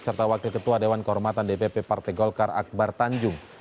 serta wakil ketua dewan kehormatan dpp partai golkar akbar tanjung